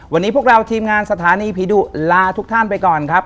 วันนี้พวกเราทีมงานสถานีผีดุลาทุกท่านไปก่อนครับ